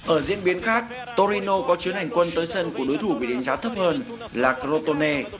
ở diễn biến khác torino có chuyến hành quân tới sân của đối thủ bị đánh giá thấp hơn là krotone